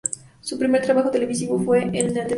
Su primer trabajo televisivo fue en la telenovela.